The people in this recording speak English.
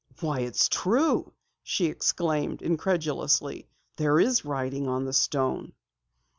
"Why, it's true!" she exclaimed incredulously. "There is writing on the stone!"